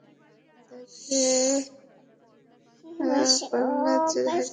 তাকে পান্জাতে হারিয়ে দিয়েছিলাম।